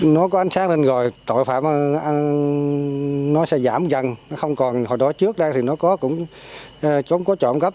nó có ánh sáng lên rồi tội phạm nó sẽ giảm dần nó không còn hồi đó trước đây thì nó cũng có trộm cấp